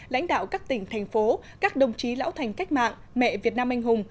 lãnh đạo các tỉnh thành phố các đồng chí lão thành cách mạng mẹ việt nam anh hùng